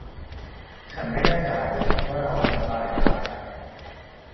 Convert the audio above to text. ฉันไม่แน่ใจว่าเราอธิบายได้